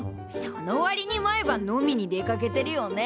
その割に毎晩飲みに出かけてるよね？